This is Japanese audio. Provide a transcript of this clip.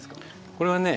これはね